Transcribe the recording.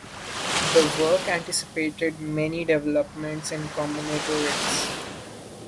The work anticipated many developments in combinatorics.